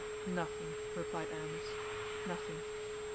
"Nothing," replied Aramis, "nothing."